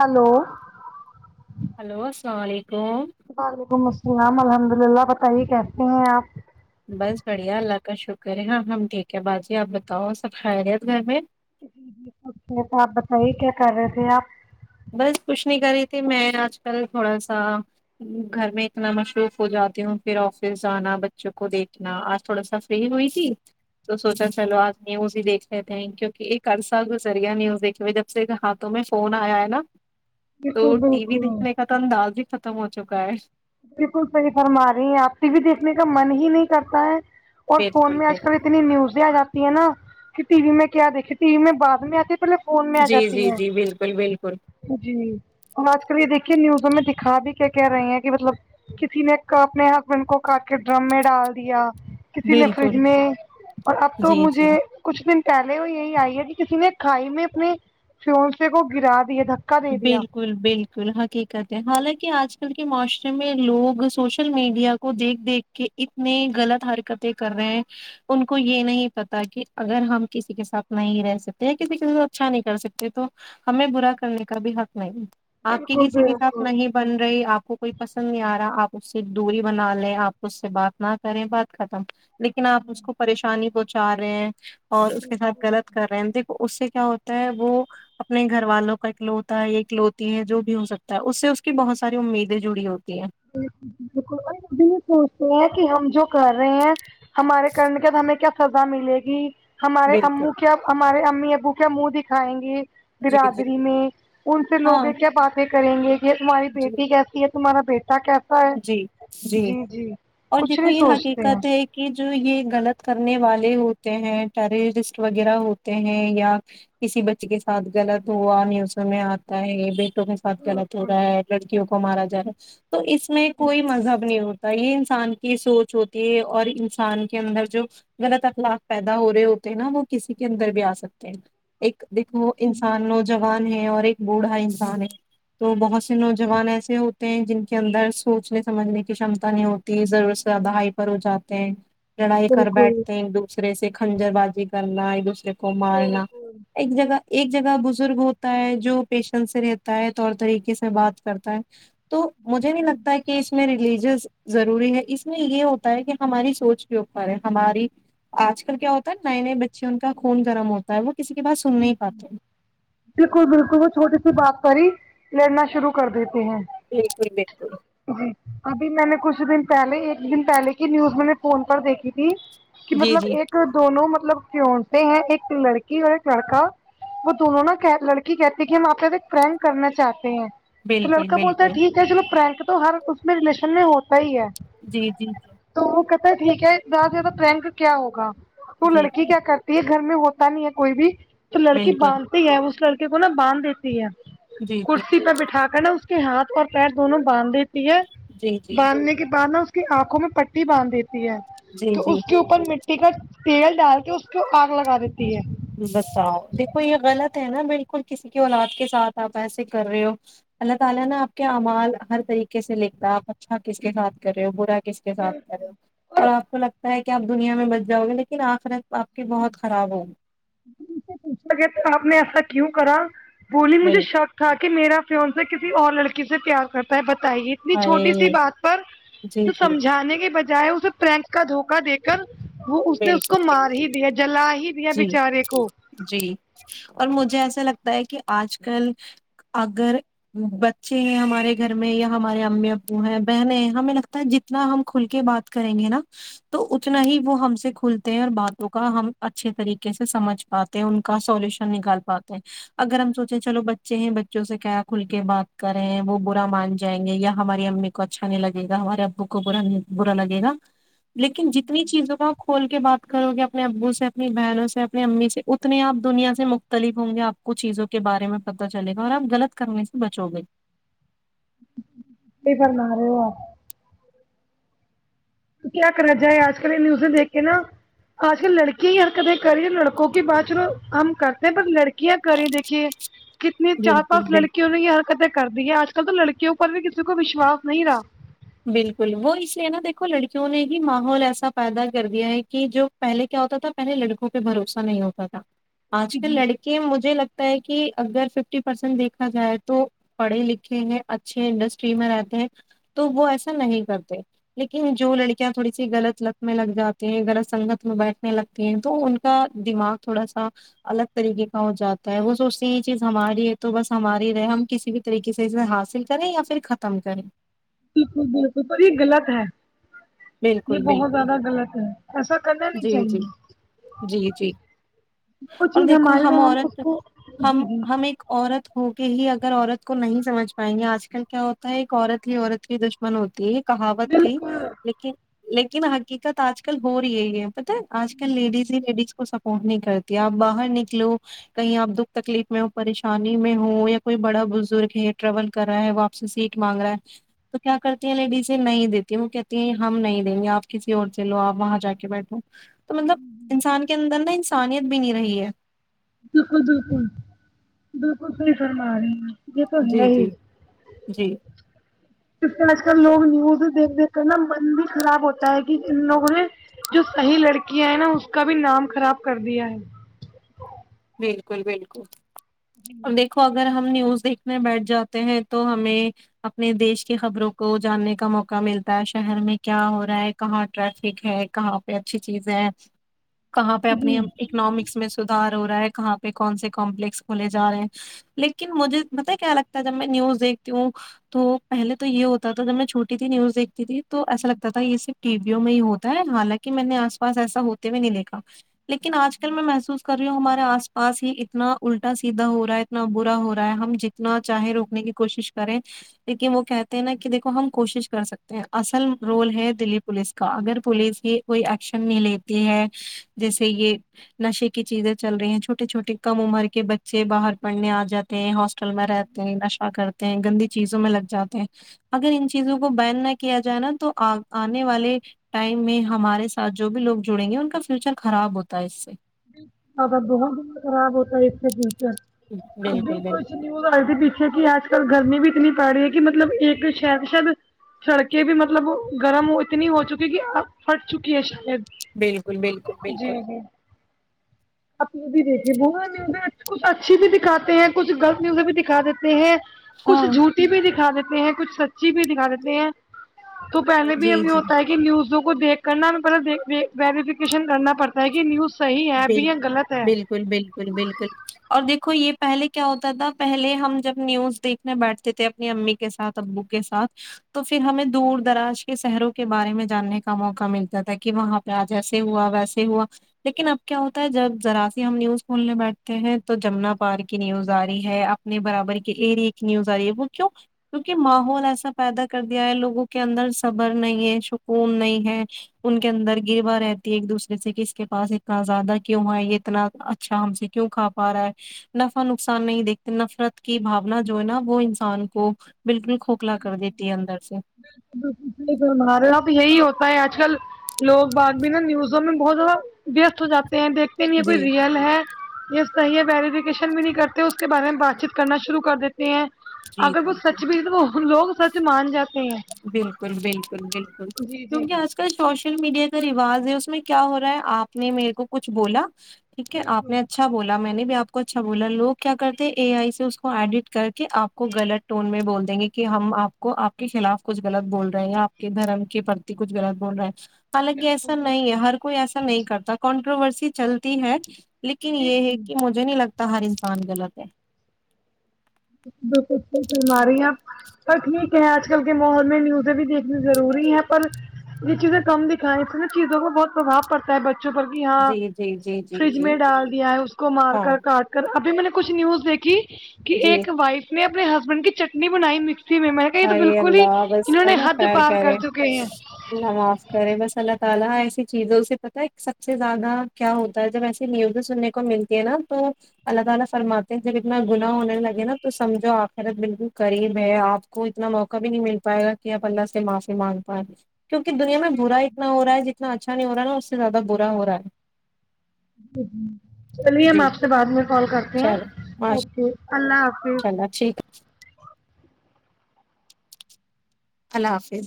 hello hello السلام علیکم وعلیکم السلام الحمد اللہ بتائیے کیسے ہیں آپ بس بڑھیا اللہ کا شکر ہے ہاں ہم ٹھیک ہے باجی آپ بتاؤ اور سب خیریت گھر میں تو آپ بتائیے کیا کر رہے تھے آپ بس کچھ نہیں کر رہی تھی میں آج کل تھوڑا سا گھر میں اتنا مصروف ہو جاتی ہوں پھر آفس جانا بچوں کو دیکھنا تھوڑا سا فری ہوئی تھی تو سوچا چلو آج نیوز ہی دیکھ لیتے ہیں کیونکہ ایک عرصہ گزر گیا نیوز دیکھے ہوئے جب کے ہاتوں میں فون آیا ہے نا تو بالکل ٹی وی بالکل دیکھنے کا تو انداز بھی ختم ہو چکا ہے بالکل صحیح فرما رہی ہیں آپ ٹی وی دیکھنے کا من ہی نہیں کرتا ہے اور فون بالکل میں آج کل بالکل اتنی نیوزیں آ جاتی ہے نا کہ ٹی وی میں کیا دیکھے ٹی وی میں بعد میں آتی پہلے فون میں آ جی جاتی جی ہیں جی بالکل بالکل جی تو آج کل یہ دیکھیے نیوزوں میں دکھا بھی کیا کہہ رہی ہیں کہ مطلب کسی نے اپنے ہسبینڈ کو کاٹ کے ڈرم میں ڈال دیا کسی نے فریج بالکل میں اور اب تو جی جی مجھے کچھ دن پہلے یہ آئ کے کسی نے کھائی میں اپنے شوہر سوکو گرا دیے دھک بال کل بالکل حقیقت ہے حالانکہ آج کل کے معاشرے میں لوگ سوشل میڈیا کو دیکھ دیکھ کہ اتنی غلط حرکتیں کر رہے ہیں ان کو یہ نہیں پتا کہ اگر ہم کسی کے ساتھ نہیں رہ سکتے کسی کے ساتھ اچھا نہیں کر سکتے تو ہمیں برا کرنے کا بھی حق نہیں آپ کی بالکل کسی کے ساتھ بالکل نہیں بن رہی آپ کو کوئی پسند نہیں آ رہا آپ اس سے دوری بنا لیں آپ اس سے بات نہ کریں بات ختم لیکن آپ اس کو پریشانی پہنچا رہے ہیں اور اس کے ساتھ بالکل غلط کر رہے ہیں دیک اس سے کیا ہوتا ہے وہ اپنے گھر والوں کا ایک لو تا ایکلوتی ہے جو بھی ہو سکتا ہے اس سے اس کی بہت ساری امیدیں جڑی ہوتی ہیں بکل جی بالکل اور بھی یہ سوچتے ہیں کہ ہم جو کر رہے ہیں ہمارے کرنے کے بعد ہمیں کیا سزا ملے گی ہمارے بالکل امو کیا ہمارے امی ابو کیا منہ دکھائیں گی جی جی برادری میں ان سے لوگ ہاں یہ کیا باتیں کریں گے کہ یہ تمہاری جی بیٹی کیسی ہے تمہارا بی تاک جی جی اور کچھ دیکھو نہیں یہ سوچتے ہیں حقیقت ہے کہ جو یہ غلط کرنے والے ہوتے ہیں ٹیررسٹ وغیرہ ہوتے ہیں یا کسی بچی کے ساتھ غلط ہوا نیوز میں آتا ہے یہ دیکھ کے ساتھ غلط ہو رہا ہے لڑکیوں کو مارا جا رہا ہے تو اس میں کوئی مذہب نہیں ہوتا یہ انسان کی سوچ ہوتی ہے اور انسان کے اندر جو غلط اخلاق پیدا ہو رہے ہوتے ہیں نا وہ کسی کے اندر بھی آ سکتے ہیں ایک دیکھو انسان نوجوان ہے اور ایک بوڑھا انسان ہے تو بہت نوجوان ایسے ہوتے ہیں جن کے اندر سوچنے سمجھنے کی شمتا نہیں ہوتی ضرورت سے زیادہ ہائپر ہو جاتے ہیں لڑائی کر بالکل بیٹھتے ہیں ایک دوسرے سے کنجر بازی کرنا ایک دوسرے کو مارنا بالکل بالکل ایک جگہ ایک جگہ بزرگ ہوتا ہے جو پیشن سے رہتا ہے طور طریقے سے بات کرتا ہے تو مجھے نہیں لگتا ہے کہ اس میں ریلیجس ضروری ہے اس میں یہ ہوتا ہے کہ ہماری سوچ کے اوپر ہے ہماری آج کل کیا ہوتا ہے نئے نئے بچے ان کا خون گرم ہوتا ہے وہ کسی کی بات سن نہیں پاتے بالکل بالکل وہ چھوٹی سی بات پر ہی لڑنا شروع کر دیتے ہیں بالکل بالکل جی ابھی میں نے کچھ دن پہلے ایک دن پہلے کی نیوز میں نے فون پر دیکھی تھی کہ جی مطلب جی ایک دونوں مطلب کیون سے ہیں ایک لڑکی ہے لڑکا وہ دونوں نا کہ لڑکی کہتی کہ ہم آپہ کے ساتھ پرنک کرنا چاہتے ہیں تو بالکل لڑکا بولتا ہے بالکل ٹھیک ہے چلو پرنک تو ہر اس میں ریلیشن میں ہوتا ہی ہے جی جی تو وہ کہتا ہے ٹھیک ہے زیادہ سے زیادہ پررینک کیا ہوگا وہ جی جی لڑکی کیا کر تی ہے گھر میں ہوتا نہیں ہے کوئی بھی تو لڑکی بالکل باندھتی ہے اس لڑکے کو نا باندھ دیتی ہے جی جی کرسی پہ بٹھا کر نا اس کے ہاتھ اور پیر دونوں باندھ دیتے تی جی جی باندھنے کے بعد نا اس کی آنکھوں میں پٹی باندھ دیتی ہے جی تو اس جی کے اوپ پر اپن مٹی کا تیل ڈال کے اس پہ آگ لگا دیتی ہے بتاؤ دیکھو یہ غلط ہے نا بالکل کسی کی اولاد کے ساتھ آپ ایسے کر رہے ہو اللہ تعالی نہ آپ کے اعمال ہر طریقے سے لکھتا ہے آپ اچھا کس کے ساتھ کر رہے ہو برا کس کے ساتھ کر رہے ہو اور آپ کو لگتا ہے کہ آپ دنیا میں بچ جاؤ گے لیکن آخرت آپ کی بہت خراب ہوگی سے پوچھا گیا تو آپ نے ایسا کیوں کرا بولی مجھے بالکل شک کے میرا فیون سے کسی اور لڑکی سے پیار کرتا ہے بتائیے اتنی ارے چھوٹی سی بات پر جی اسے جی سمجھانے کے بجائے اسے پرینک کا دھوکا دیک کر وہ اس نے اس بالکل کو مار ہی بالکل دیا جلا ہی دیا جی بچارے کو جی اور مجھے ایسا لگتا ہے کہ آج کل اگر بچے ہیں ہمارے گھر میں یا ہمارے امی ابو ہیں بہنیں ہیں ہمیں لگتا ہے جت تنا ہم کھل کے بات کریں گے نا تو اتنا ہی وہ ہم سے کھلتے ہیں اور باتوں کا ہم اچھے طریقے سے سمجھ پاتے ہیں ان کا سولوشن نکال پاتے ہیں اگر ہم سوچے چلو بچ بچے ہیں بچوں سے کیا کھل کے بات کرے ہیں وہ برا مان جائیں گے یا ہماری امی کو اچھا نہیں لگےہمارے ابو کو برا نہیں برا لگے گا لیکن جتنی چیزوں کا کھول کے بات کرو گے اپنے ابو سے اپنی بہنوں سے اپنی امی سے اتنے آپ دنیا سے مختلف ہوں گے آپ کو چیزوں کے بارے میں پتا چلے گا اور آپ غلط کرنے سے بچو گے صحیح فرما رہے ہو آپ کیا کرا جائے آج کل یہ نیوزیں دیکھ کے نا آج کل لڑکی ہی ہر کتیں کر رہی ہے لڑکوں کی بات چلو ہم کرتے ہیں پر لڑکی کیا کریں دیکھیے کتنی چار بالکل پانچ لڑکیوں بالکل نے یہ کتیں کرتی ہے آج کل تو لڑکیوں پر بھی کسی کو وشواس نہیں رہا بالکل وہ اس لیے نا دیکھو لڑکیوں نے ہی ماحول ایسا پیدا کر دیا ہے کہ جو پہلے کیا ہوتا تھا پہلے لڑکوں پہ بھروسہ نہیں ہوتا تھا آج جی کل جی لڑکی کہ مجھے لگتا ہے کہ اگر ففٹی پرسینٹ دیکھا جائے تو پڑھے لکھے ہیں اچھے انڈسٹری میں رہتے ہیں تو وہ ایسا نہیں کرتے لیکن جو لڑکیاں تھوڑی سی غط لت میں لگ جاتی ہیں غلط سنگت میں بیٹھنے لگ تو ان کا دماغ تھوڑا سا الگ طریقے کا ہو جاتا ہے وہ سوچتی ہیں یہ چیز ہماری ہے تو بس ہماری رہے ہم کسی بھی طریقے سے اسے حاصل کریں یا پھر ختم کریں بالکل بالکل پر یہ غلط ہے یہ بالکل بہت بالکل زیادہ غلط ہے ایسا کرنا نہیں جی جی چاہیے جی جی وہ اور چیز دیکھو ہمارے ہم تو اس عورت کو جی ہم جی ہم ایک عورت ہو کے ہی اگر عورت کو نہیں سمجھ پائیں گے آج کل کیا ہوتا ہے ایک عورت ہی عورت کی دشمن ہوتی ہے کہاوت تھی بالکل لیکن لیکن حقیقت آج کل ہو رہی ہی ہے پتہ آج کل لیڈیز ہی لیڈیز کو سب انہو نہیں کرتی آپ باہر نکلو کہیں آپ دکھ تکلیف میں ہو پریشانی میں ہو یا کوئی بڑا بزرگ ہے ٹریول کر رہا ہے وہ اپ سے سیٹ مانگ رہا ہے تو کیا کرتی ہیں لیڈیزیں نہیں دیتی وہ کہتی ہیں ہم نہیں دیں گے آپ کسی اور سے لو آپ وہاں جا کے بیٹھو تو مطلب انسان کے اندر نا انسانیت بھی نہیں رہی ہے بالکل بالکل بالکل صحیح فرما رہی ہیں یہ تو جی ہے جی ہی جی جسطرح آج کل لوگ نیوز دیکھ دیکھ کر نا من بھی خراب ہوتا ہے کہ ان لوگوں نے جو صحیح لڑکیاں ہیں نا اس کا بھی نام خراب کر دیا ہے بالکل بالکل اور دیکھو ا اگر ہم نیوز دیکھنے بیٹھ جاتے ہیں تو ہمیں اپنے دیش کی خبروں کو جاننے کا موقع ملتا ہے شہر میں کیا ہو رہا ہے کہاں ٹریفک ہے کہاں پہ اچھی چیز ہے کہاں پہ اپنی اکنامکس میں سدھار ہو رہا ہے کہاں پہ کون سے کمپلیکس کھولے جا رہے ہیں لیکن مجھے پتا ہے کیا لگتا ہے جب میں نیوز دیکھتی ہوں تو پہلے تو یہ ہوتا تھا جب میں چھوٹی تھی نیوز دیکھتی تھی تو ایسا لگتا تھا یہ صرف ٹی ویوں میں ہی ہوتا ہے حالانکہ کہ میں نے آس پاس ایسا ہوتے ہوئے نہیں دیکھا لیکن آج کل میں محسوس کر ہمارے آس پاس ہی اتنا الٹا سیدھا ہو رہا ہے اتنا برا ہو رہا ہے ہم جتنا چاہیں روکنے کی کوشش کریں لیکن وہ کہتے ہیں نا کہ دیکھو ہم کوشش کر سکتے ہیں اصل رول ہے دلیپ پولیس کا اگر پولیس یہ کوئی ایکشن نہیں لیتی ہے جیسے یہ نشے کی چیزیں چل رہی ہیں چھوٹے چھوٹے کم عمر کے بچے باہر پڑھنے آ جاتے ہیں ہاسٹل میں رہتے ہیں نشا کرتے گندی چیزوں میں لگ جاتے ہیں اگر ان چیزوں کو بین نہ کیا جائے نا تو آنے والے ٹائم میں ہمارے ساتھ جو بھی لوگ جڑیں گے ان کا فیوچر خراب ہوتا ہے اس سے بہت بت خراب ہوتا ہے اس سے فیوچر ابھی بالکل کچھ بالکل نیوز آئی تھی پیچھے کہ آج کل گرمی بھی اتنی پڑ رہی ہے کہ مطلب ایک شاید شاید سڑکیں بھی مطلب گرم اتنی ہو چکی ہے کہ اب پھٹ چکی ہے شاید بالکل بالکل بالکل اپنی بھی دیکھیے ب نیوز کچھ اچھی بھی دکھاتے ہیں کچھ غلط نیوز بھی دکھا دیتے ہیں کچھ ہاں جھوٹی بھی دکھا دیتے ہیں کچھ سچی بھی دکھا دیتے ہیں تو پہلے بھی جی ہمیں جی ہوتا ہے نیوزوں کو دیکھ کر نہ مطلب ویریفکیشن کرنا پڑتا ہے کہ نیوز صحیح ہے بھی بل یا غلط ہے بالکل بالکل بالکل اور دیکھو یہ پہلے کیا ہوتا تھا پہلے ہم جب نیوز دیکھ اپنے بیٹھتے تھے اپنی امی کے ساتھ ابو کے ساتھ تو پھر ہمیں دور دراز کے شہروں کے بارے میں جاننے کا موقع ملتا تھا کہ وہاں کیا جیسے ہوا ویسے ہوا لیکن اب کیا ہوتا ہے جب ذرا سی ہم نیوز کھولنے بیٹھتے ہیں تو جمنا پار کی نیوز آ رہی ہے ا نے برابر کی ایرے کی نیوز آ رہی ہے وہ کیوں کیونکہ ماحول ایسا پیدا کر دیا ہے لوگوں کے اندر صبر نہیں ہے سکون نہیں ہے ان کے اندر گروا رہتی ہے ایک دوسر سے کس کے پاس ایک زیادہ کیوں ہے یہ اتنا اچھا ہم سے کیوں کھا پا رہا ہے نفع نقصان نہیں دیکھتے نفرت کی بھاونا جو ہے نا وہ انسان کو بالکل کھوکھلا کر دیتی ہے اندر سے ہمارے یہاں بھی یہی ہوتا ہے آج کل لوگ بعد بھی نہ نیوزوں میں بہت زیادہ وست ہو جاتے ہیں دیکھتے یہ کوئی جی ریئل ہے یہ صحیح ہے ویریفیکیشن بھی نہیں کرتے اس کے بارے میں بات چیت کرنا شروع کر دیتے ہیں جی اگر وہ جی جی سچھ بھی تو وہ لوگ سچ مان جاتے ہیں بالکل بالکل بالکل جی جی کیونکہ آج کل سوشل میڈیا کا رواج ہے اس میں کیا ہو رہا ہے آپ نے میرے کو کچھ بولا ٹھیک ہے آپ بالکل نے بالکل اچھا بولا میں نے بھی آپ کو اچھا بولا لوگ کیا کرتے ہیں اے آئی سے اس کو ایڈٹ کر کے آ کو غلط ٹون میں بول دیں گے کہ ہم آپ کو کو آپ کے خلاف کچھ غلط بول رہے ہیں یا آپ کے دھرم کے پرتی کچھ غلط بول رہے ہیں حالانکہ ایسا نہیں ہے بالکل ہر کوئی ایسا نہیں کرتا کنٹروورسی چلتی ہے لیکن جی یہ ہے جی کہ م مجھے نہیں لگتا کہ ہر انسان غلط ہے بالکل صحیح فرما رہی ہیں اپ پر ٹھیک ہے آج کل کے ماحول میں نیوزیں بھی دیکھنی ضروری ہے پر یہ چیزیں کم دکھائیں اس میں چیزوں کو بہت پربھؤ پڑتا ہے بچوں پر کی ہاں جی جی جی جی فریج جی میں ڈال دیا ہے اس کو مار ہاں کر کاٹ کر ابھی میں نے کچھ نیوز دیکھی کہ جی ایک وائف نے اپنے ہسبینڈ کی چٹنی بنائی مکسی میں تو یہ تو ہائے بالکل ہی اللہ بس انہوں نے اللہ حد خیر پار کرے کر چکے ہیں اللہ معاف کرے بس اللہ تعالی ایسی چیزوں سے پتہ ہا سب سے زیادہ کیا ہوتا ہے جب ایسی نیوزیں سننے کو ملتی ہے نا تو اللہ تعالی فرماتے ہیں جب اتنا گنا ہونے لگے نا تو سمجھو آخرت بالکل قریب ہے آپ کو اتنا موقع بھی نہیں مل پائے گا کہ آپ اللہ سے معافی مانگ پائیںے کیونکہ دنیا میں برا اتنا ہو رہا ہے جتنا اچھا نہیں ہو رہا نا اس سے زیادہ برا ہو رہا ہے چلیے ہم جی آپ سے بعد میں کال کرتے ہیں چلو ماشاء اوکے اللہ حافظ [unintelligible] اللہ حافظ